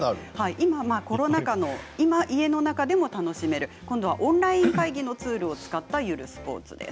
今、コロナ禍家の中でも楽しめるオンラインツールを使ったゆるスポーツです。